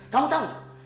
kamu tahu gak